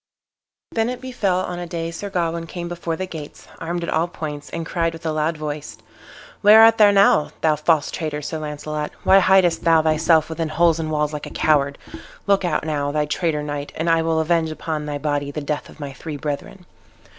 Then it befell on a day Sir Gawain came before the gates, armed at all points, and cried with a loud voice, "Where art thou now, thou false traitor, Sir Launcelot? Why hidest thou thyself within holes and walls like a coward? Look out now, thou traitor knight, and I will avenge upon thy body the death of my three brethren."